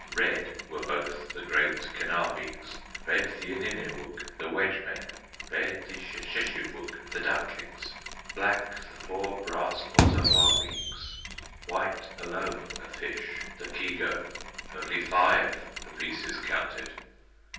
Red were both the great Kenabeeks, Red the Ininewug, the wedge men, Red the Sheshebwug, the ducklings, Black the four brass Ozawabeeks, White alone the fish, the Keego; Only five the pieces counted!